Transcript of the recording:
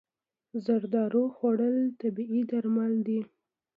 زردالو خوړل طبیعي درمل دي.